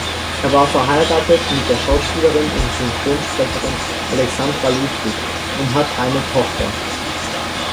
Er war verheiratet mit der Schauspielerin und Synchronsprecherin Alexandra Ludwig und hat eine Tochter.